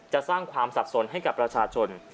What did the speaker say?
สร้างความสับสนให้กับประชาชน